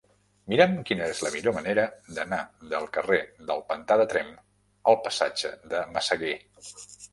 Mira'm quina és la millor manera d'anar del carrer del Pantà de Tremp al passatge de Massaguer.